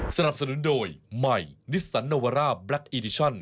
สนับสนุนโดยใหม่นิสสันโนวาร่าแบล็คอีดิชั่น